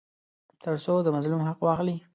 تر څو د مظلوم حق واخلي.